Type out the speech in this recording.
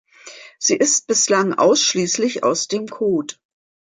Sie ist bislang ausschließlich aus dem Cod.